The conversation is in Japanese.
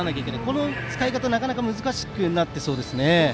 この使い方がなかなか難しくなりそうですね。